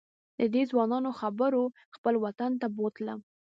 ددې ځوانانو خبرو خپل وطن ته بوتلم.